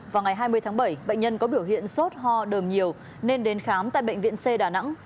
vào ngày hai mươi tháng bảy bệnh nhân có biểu hiện sốt ho đờm nhiều nên đến khám tại bệnh viện c đà nẵng